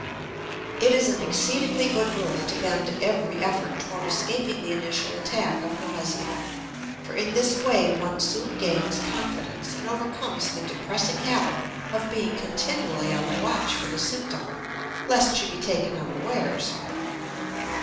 It is an exceedingly good rule to bend every effort toward escaping the initial attack of nausea, for in this way one soon gains confidence, and overcomes the depressing habit of being continually on the watch for the symptom, lest she be taken unawares.